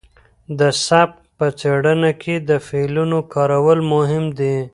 د سبک په څېړنه کې د فعلونو کارول مهم دي.